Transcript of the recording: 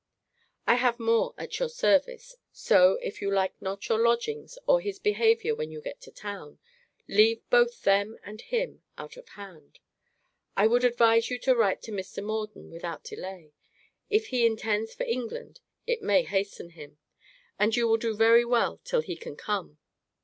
I have more at your service. So, if you like not your lodgings or his behaviour when you get to town, leave both them and him out of hand. I would advise you to write to Mr. Morden without delay. If he intends for England, it may hasten him. And you will do very well till he can come.